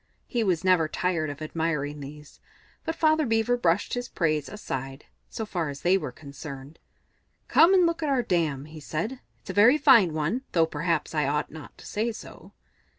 He was never tired of admiring these, but Father Beaver brushed his praise aside, so far as they were concerned. "Come and look at our dam," he said. "It's a very fine one, though perhaps I ought not to say so."